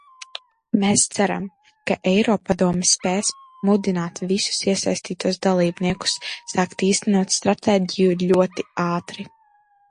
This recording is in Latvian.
Mēs ceram, ka Eiropadome spēs mudināt visus iesaistītos dalībniekus sākt īstenot stratēģiju ļoti ātri.